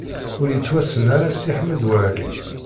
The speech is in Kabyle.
Ur yettwassen ara Si Ḥmed Waɛli.